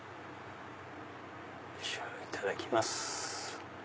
いただきます。